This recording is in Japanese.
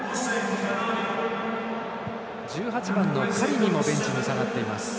１８番、カリミもベンチに下がっています。